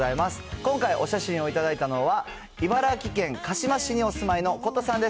今回お写真を頂いたのは、茨城県鹿嶋市にお住まいのことさんです。